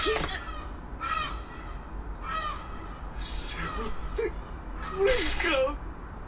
背負ってくれんか。